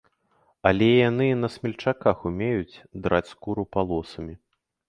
Але яны і на смельчаках умеюць драць скуру палосамі.